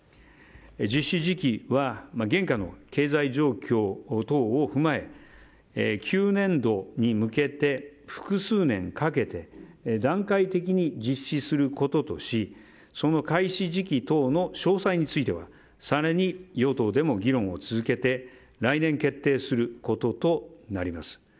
実施時期は現下の経済状況等を踏まえ９年度に向けて複数年かけて段階的に実施することとしその開始時期等の詳細については更に与党でも議論を続けて来年、決定することとなります。